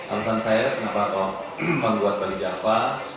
alasan saya mengapa aku membuat bali java